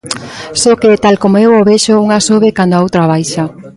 Só que, tal como eu o vexo, unha sobe cando a outra baixa.